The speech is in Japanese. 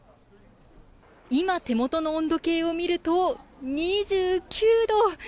今、手元の温度計を見ると２９度。